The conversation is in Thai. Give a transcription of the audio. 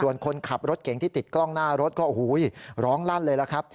ส่วนคนขับรถเก่งที่ติดกล้องหน้ารถก็โอ้โหร้องลั่นเลยล่ะครับ